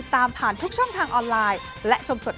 ตัวเลขมาแบบจุก